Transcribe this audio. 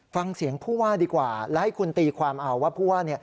ฟังเสียงผู้ว่าดีกว่าและให้คุณตีความเอาว่าผู้ว่า